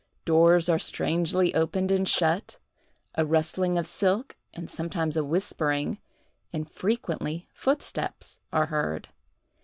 Doors are strangely opened and shut, a rustling of silk, and sometimes a whispering, and frequently footsteps, are heard.